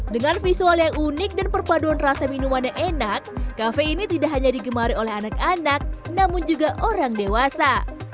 dengan visual yang unik dan perpaduan rasa minuman yang enak kafe ini tidak hanya digemari oleh anak anak namun juga orang dewasa